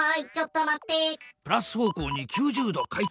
プラス方向に９０度回転。